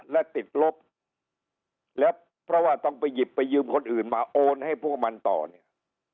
และติดลบแล้วเพราะว่าต้องไปหยิบไปยืมคนอื่นมาโอนให้พวกมันต่อเนี่ย